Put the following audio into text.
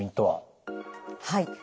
はい。